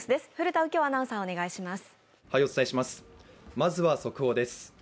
まずは速報です。